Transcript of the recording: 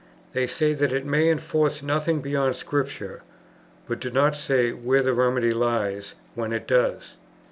They say that it may enforce nothing beyond Scripture, but do not say where the remedy lies when it does.